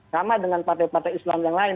sama dengan partai partai islam yang lain